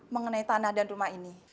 mengenai tanah dan rumah ini